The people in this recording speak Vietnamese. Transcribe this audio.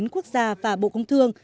quốc gia và bộ công thương